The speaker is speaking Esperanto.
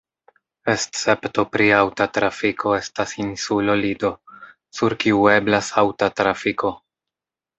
Escepto pri aŭta trafiko estas insulo Lido, sur kiu eblas aŭta trafiko.